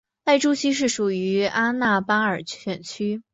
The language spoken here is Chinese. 艾珠区是属于阿纳巴尔选区。